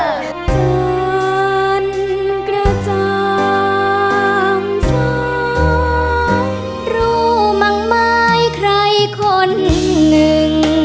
จันกระจ่างซ่ารู้มังไม้ใครคนนึง